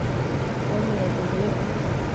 tom yagezeyo ate